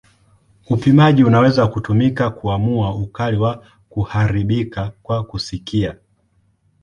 Upimaji unaweza kutumika kuamua ukali wa kuharibika kwa kusikia.